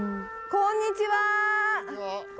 こんにちは。